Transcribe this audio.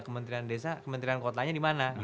kementerian desa kementerian kotanya dimana